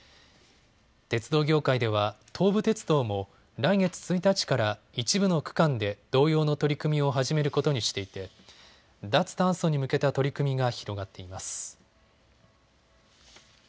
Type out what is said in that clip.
鉄道業界では東武鉄道も来月１日から一部の区間で同様の取り組みを始めることにしていて脱炭素に向けた取り組みが広がっています。